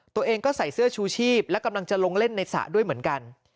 ตัวเองก็ใส่เสื้อชูชีพและกำลังจะลงเล่นในสระด้วยเหมือนกัน